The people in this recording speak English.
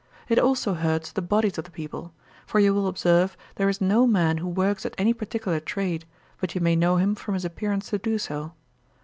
It also hurts the bodies of the people; for you will observe, there is no man who works at any particular trade, but you may know him from his appearance to do so.